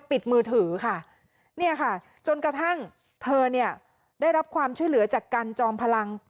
ปิดมือถือค่ะเนี่ยค่ะจนกระทั่งเธอเนี่ยได้รับความช่วยเหลือจากกันจอมพลัง